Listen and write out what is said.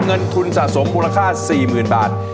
เงินทุนสะสมมูลค่า๔๐๐๐บาท